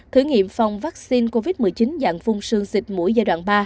thử nghiệm phòng vaccine covid một mươi chín dạng phun sương xịt mũi giai đoạn ba